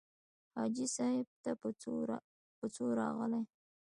حاجي صاحب ته په څو راغلې.